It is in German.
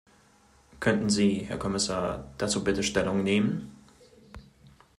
Könnten Sie, Herr Kommissar, dazu bitte Stellung nehmen?